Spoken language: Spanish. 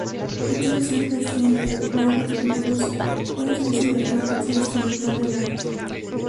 Y todo siempre es lindo, claro, riguroso, una especie de geometría espiritual del arte.